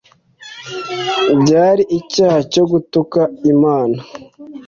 byari icyaha cyo gutuka Imana.